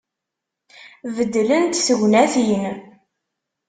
Beddlent tegnatin.